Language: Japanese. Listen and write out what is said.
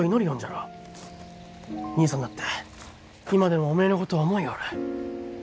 兄さんだって今でもおめえのことを思ようる。